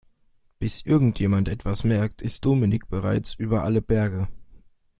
Bis irgendjemand etwas merkt, ist Dominik bereits über alle Berge.